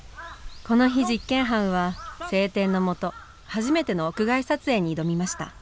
この日実験班は晴天の下初めての屋外撮影に挑みました